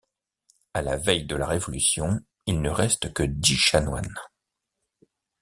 À la veille de la Révolution, il ne reste que dix chanoines.